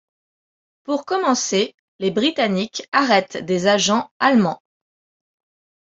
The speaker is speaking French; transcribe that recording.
Pour commencer, les Britanniques arrêtent des agents allemands.